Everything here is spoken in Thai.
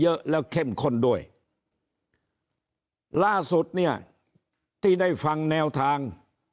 หาเสียงไว้เยอะและเข้มข้นด้วยล่าสุดเนี่ยที่ได้ฟังแนวทาง